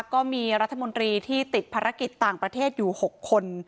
ก็มีรัฐมนตรีที่ติดภารกิจต่างประเทศอยู่๖คน